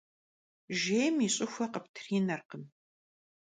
Jjêym yi ş'ıxue khıptrinerkhım.